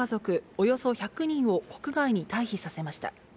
およそ１００人を国外に退避させました。